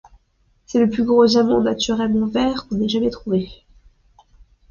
C'est le plus gros diamant naturellement vert qu'on ait jamais trouvé.